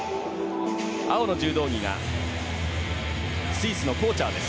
青の柔道着がスイスのコーチャーです。